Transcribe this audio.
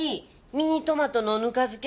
ミニトマトのぬか漬け。